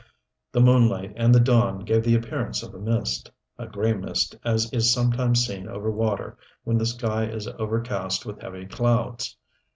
The moonlight and the dawn gave the appearance of a mist, a gray mist as is sometimes seen over water when the sky is overcast with heavy clouds.